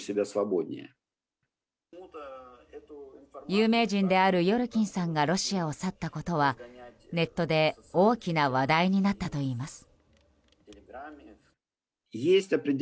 有名人であるヨルキンさんがロシアを去ったことはネットで大きな話題になったといいます。